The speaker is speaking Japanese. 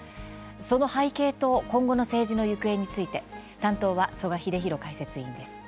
その背景と今後の政治の行方について担当は曽我英弘解説委員です。